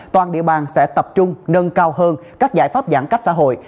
toàn địa bàn sẽ tập trung nâng cao hơn các giải pháp giãn cách xã hội